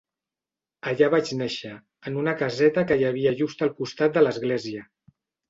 Allà vaig néixer, en una caseta que hi havia just al costat de l'església.